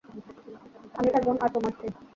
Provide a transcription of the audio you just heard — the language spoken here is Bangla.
আমি তার বোন আর তোমার স্ত্রী।